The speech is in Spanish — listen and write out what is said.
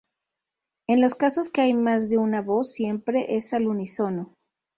En los casos que hay más de una voz, siempre es al unísono.